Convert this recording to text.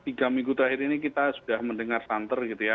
tiga minggu terakhir ini kita sudah mendengar santer gitu ya